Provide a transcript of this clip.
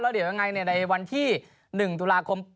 เดี๋ยวยังไงในวันที่๑ตุลาคม